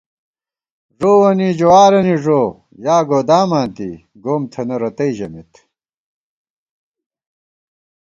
ݫووَنی جوارَنی ݫو یا گوداماں دی ، گوم تھنہ رتئ ژَمېت